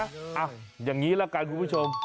อย่างนี้ละกันคุณผู้ชม